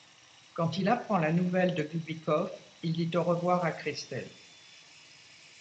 Quand il apprend la nouvelle de Bibikoff, il dit au revoir à Christl.